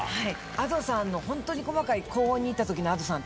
Ａｄｏさんのホントに細かい高音にいったときのＡｄｏさん